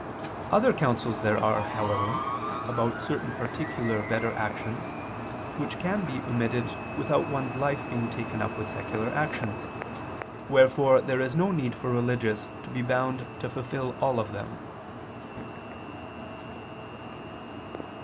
Other counsels there are, however, about certain particular better actions, which can be omitted without one's life being taken up with secular actions; wherefore there is no need for religious to be bound to fulfil all of them.